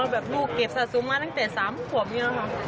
แบบลูกเก็บสะสมมาตั้งแต่๓ปวดอย่างนี้ค่ะ